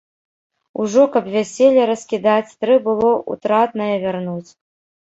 Ужо, каб вяселле раскідаць, трэ было ўтратнае вярнуць.